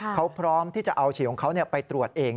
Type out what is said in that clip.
เขาพร้อมที่จะเอาฉีดของเขาไปตรวจเอง